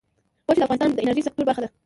غوښې د افغانستان د انرژۍ سکتور برخه ده.